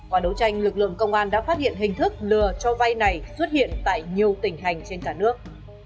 qua đấu tranh lực lượng công an đã phát hiện hình thức lừa cho vay này xuất hiện tại nhiều tỉnh hành trên cả nước